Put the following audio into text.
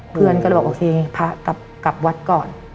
เพื่อนก็บอกอามินกฏไภคือพระกลับวัดก่อน